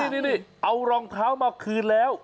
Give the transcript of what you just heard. นี่เอารองเท้ามาคืนแล้ว